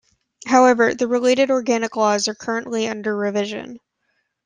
However, the related organic laws are currently under revision.